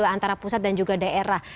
antara pusat dan juga daerah